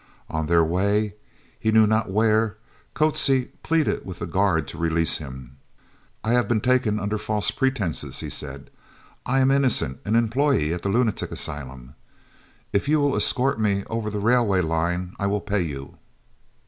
On their way, he knew not where, Coetzee pleaded with the guard to release him. "I have been taken under false pretences," he said. "I am innocent, an employee at the Lunatic Asylum. If you will escort me over the railway line, I will pay you."